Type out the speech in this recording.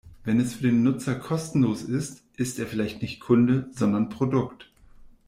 Wenn es für den Nutzer kostenlos ist, ist er vielleicht nicht Kunde, sondern Produkt.